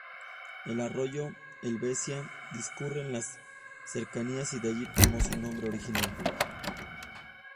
El arroyo Helvecia discurre en las cercanías, y de allí tomó su nombre original.